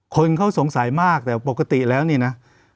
คนเขาสงสัยมากแต่ปกติแล้วนี่นะ